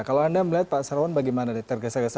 kalau anda melihat pak sarwan bagaimana tergesa gesa